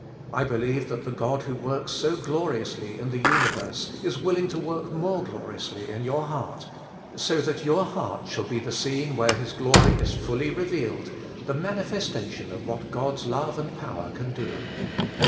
I believe that the God who works so gloriously in the uni verse is willing to work more gloriously in your heart, so that your heart shall be the scene where His glory is fully revealed, the manifestation of what God's love and power can do.